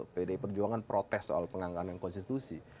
pdi perjuangan protes soal pengangganan konstitusi